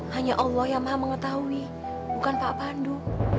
hanya allah yang maha mengetahui bukan pak pandu